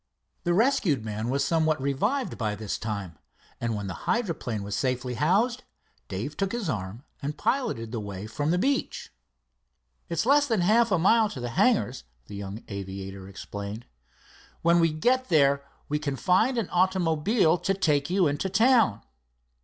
The rescued man was somewhat revived by this time, and when the hydroplane was safely housed, Dave took his arm and piloted the way from the beach. "It is less than half a mile to the hangars," the young aviator explained. "When we get there we can find an automobile to take you into town."